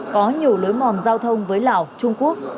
có nhiều lối mòn giao thông với lào trung quốc